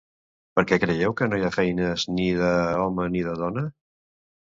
Per què creieu que no hi ha feines ni d'home ni de dona?